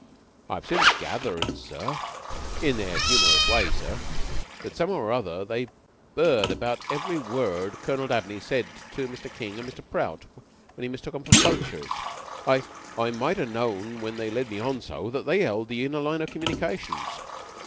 I've since gathered, sir, in their humorous way, sir, that some'ow or other they've 'eard about every word Colonel Dabney said to Mr. King and Mr. Prout when he mistook 'em for poachers. I I might ha' known when they led me on so that they 'eld the inner line of communications.